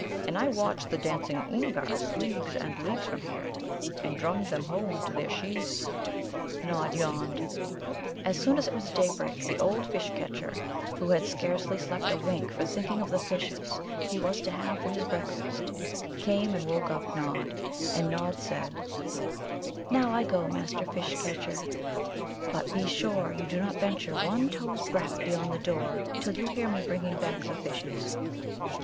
And I've watched the Dancing Oomgars leagues and leagues from here, and drummed them home to their Shes." Nod yawned. As soon as it was daybreak the old Fish catcher, who had scarcely slept a wink for thinking of the fishes he was to have for his breakfast, came and woke Nod up. And Nod said: "Now I go, Master Fish catcher; but be sure you do not venture one toe's breadth beyond the door till you hear me bringing back the fishes."